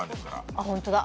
あっホントだ。